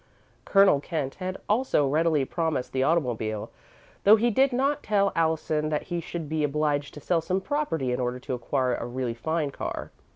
Colonel Kent had also readily promised the automobile, though he did not tell Allison that he should be obliged to sell some property in order to acquire a really fine car.